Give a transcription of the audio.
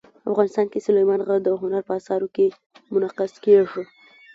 افغانستان کې سلیمان غر د هنر په اثارو کې منعکس کېږي.